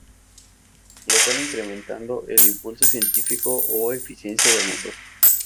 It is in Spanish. Lo cual incrementando el impulso específico o eficiencia del motor.